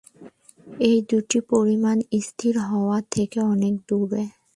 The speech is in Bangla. এই দুটি পরিমাণ স্থির হওয়া থেকে অনেক দূরে।